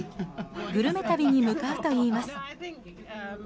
グルメ旅に向かうといいます。